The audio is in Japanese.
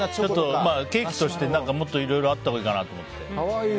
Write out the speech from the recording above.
ケーキとしてもっといろいろあったほうがいいかなと思って。